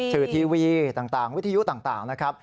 ทีวีต่างวิทยุต่างนะครับ